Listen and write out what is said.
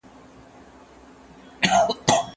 خوشحالي په ښو اخلاقو کي ده.